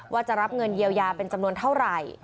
ว่าจะรับเงินเยียวยาเป็นจำนวนเท่าไหร่